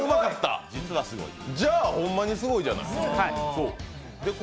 じゃホンマにすごいじゃない。